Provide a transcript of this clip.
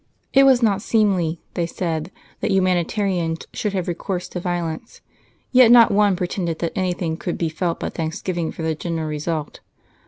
It was not seemly, they said, that Humanitarians should have recourse to violence; yet not one pretended that anything could be felt but thanksgiving for the general result.